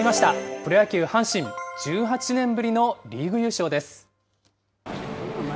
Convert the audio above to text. プロ野球・阪神、１８年ぶりのリーグ優勝です。